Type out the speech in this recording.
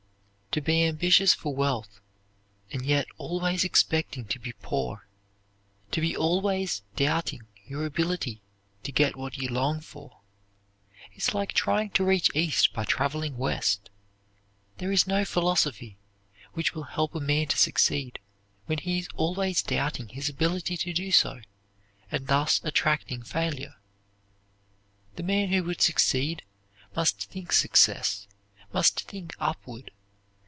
To be ambitious for wealth and yet always expecting to be poor, to be always doubting your ability to get what you long for, is like trying to reach East by traveling West. There is no philosophy which will help a man to succeed when he is always doubting his ability to do so, and thus attracting failure. The man who would succeed must think success, must think upward.